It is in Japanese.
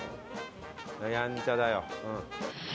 やんちゃだよ。